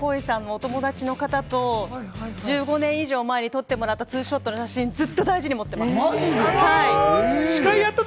天の声さんのお友達の方と、１５年以上前に撮ってもらったツーショットの写真をずっと大事に持っています。